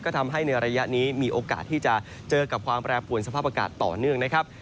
ก็ทำให้ในระยะนี้มีโอกาสที่จะเจอกับความแปรปวนสภาพอากาศต่อเนื่องนะครับ